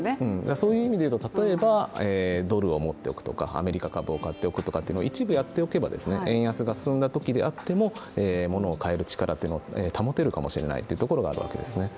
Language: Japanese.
そういう意味でいうと例えばドルを持っておくとか、アメリカ株を買っておくとか一部やっておけば円安が進んだときであってもモノを買える力を保てるかもしれないということがあるかもしれないんですね。